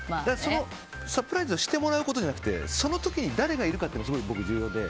サプライズしてもらうことじゃなくてその時に誰がいるかって僕はすごく重要で。